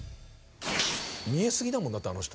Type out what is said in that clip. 見えすぎだもんだってあの人。